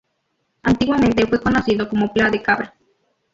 Antiguamente fue conocido como Pla de Cabra.